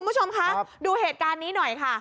คุณผู้ชมคะดูเหตุการณ์นี้หน่อยค่ะ